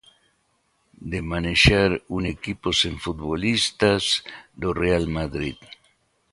De manexar un equipo sen futbolistas do Real Madrid.